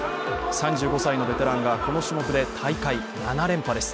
３５歳のベテランがこの種目で大会７連覇です。